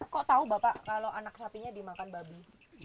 kok tahu bapak kalau anak sapinya dimakan babi